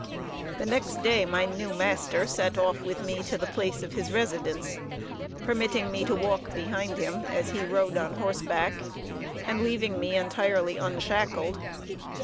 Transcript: The next day, my new master set off with me to the place of his residence; permitting me to walk behind him, as he rode on horseback, and leaving me entirely unshackled.